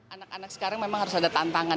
anak anak sekarang memang harus ada tantangan